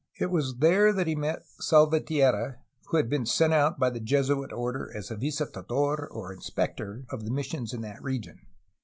It was there that he met Salvatierra, who had been sent out by the Jesuit order as visitador, or inspector, of the missions in that region.